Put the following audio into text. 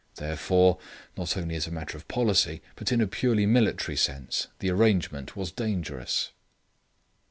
Therefore, not only as a matter of policy, but in a purely military sense, the arrangement was dangerous.